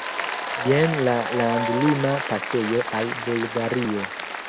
Jen la landlima pasejo al Bulgario.